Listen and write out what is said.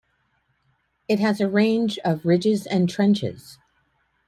It has a range of ridges and trenches.